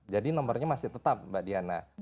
jadi nomernya masih tetap mbak diana